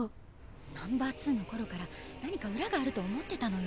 Ｎｏ．２の頃から何か裏があると思ってたのよ。